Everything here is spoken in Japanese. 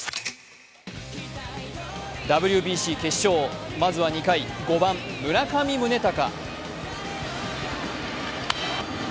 ＷＢＣ決勝、まずは２回、５番・村上宗隆。